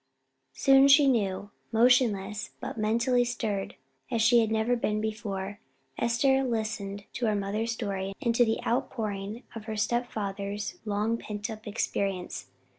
Soon she knew. Motionless, but mentally stirred as she had never been before, Esther listened to her mother's story, and to the outpouring of her step father's long pent up experience.